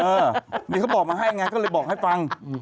เออเดี๋ยวเค้าบอกมาให้อะไรกันแล้วเค้าเลยบอกให้ฟัง